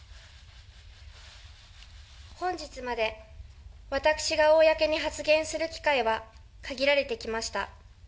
本日まで、私が公に発言する機会は限られてきました。